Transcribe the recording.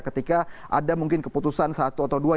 ketika ada mungkin keputusan satu atau dua